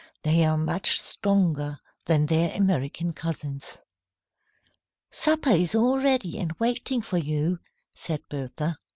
They are much stronger than their American cousins. "Supper is all ready and waiting for you," said Bertha.